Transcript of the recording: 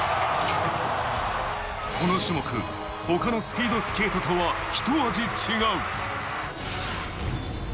この種目、他のスピードスケートとはひと味違う。